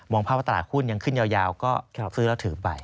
ภาพว่าตลาดหุ้นยังขึ้นยาวก็ซื้อแล้วถือไป